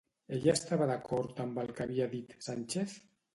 Ella estava d'acord amb el que havia dit Sánchez?